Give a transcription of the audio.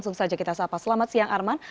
mari kita sapa selamat siang arman